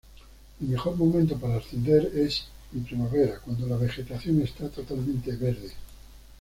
El mejor momento para ascender es en primavera cuando la vegetación está totalmente verde.